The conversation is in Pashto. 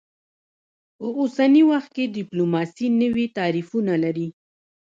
په اوسني وخت کې ډیپلوماسي نوي تعریفونه لري